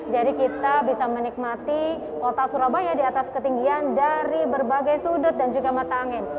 jadi kita bisa menikmati kota surabaya di atas ketinggian dari berbagai sudut dan juga mata angin